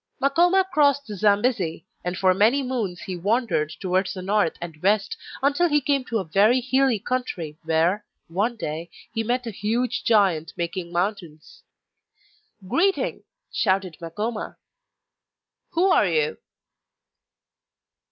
Makoma crossed the Zambesi, and for many moons he wandered towards the north and west until he came to a very hilly country where, one day, he met a huge giant making mountains. 'Greeting,' shouted Makoma, 'you are you?